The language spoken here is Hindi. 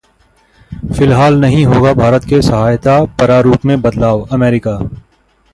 फिलहाल नहीं होगा भारत के सहायता प्रारूप में बदलावः अमेरिका